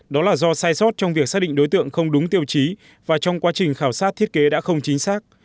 đó là do sai sót trong việc xác định đối tượng không đúng tiêu chí và trong quá trình khảo sát thiết kế đã không chính xác